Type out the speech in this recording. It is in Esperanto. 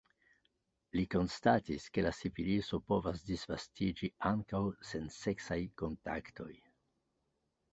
Li konstatis, ke la sifiliso povas disvastiĝi ankaŭ sen seksaj kontaktoj.